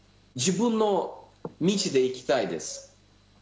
自分の道でいきたいです。